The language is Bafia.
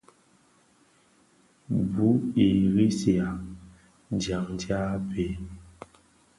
Bu i resihà dyangdyag béé.